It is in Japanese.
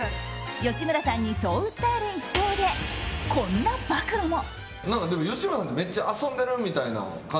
吉村さんにそう訴える一方でこんな暴露も。